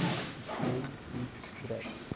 PicPay, Pix, Drex